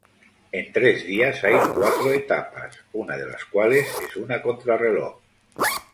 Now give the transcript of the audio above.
En tres días hay cuatro etapas, una de las cuales es una contrarreloj.